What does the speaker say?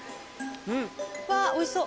わぁおいしそう。